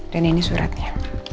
dan ini suratnya